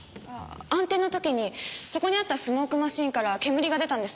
暗転のときにそこにあったスモークマシンから煙が出たんです。